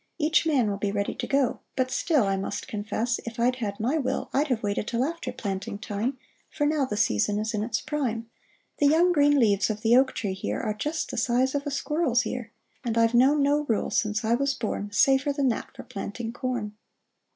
Each man will be ready to go ; but still, I must confess, if I'd had my will, I'd have waited till after planting time. For now the season is in its prime. The young green leaves of the oak tree here Are just the size of a squirrel's ear ; And I've known no rule, since I was born, Safer than that for planting corn